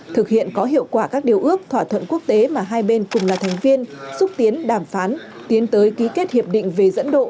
thực hiện có hiệu quả các điều ước thỏa thuận quốc tế mà hai bên cùng là thành viên xúc tiến đàm phán tiến tới ký kết hiệp định về dẫn độ